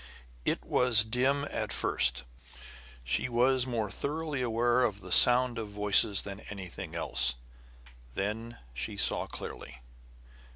It was dim at first; she was more thoroughly aware of the sound of voices than anything else. Then she saw clearly.